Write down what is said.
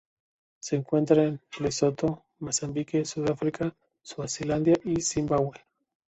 Se encuentra en Lesotho, Mozambique, Sudáfrica, Swazilandia, y Zimbabue.